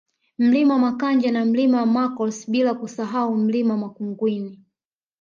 Mlima Makanja na Milima ya Makos bila kusahau Mlima Makungwini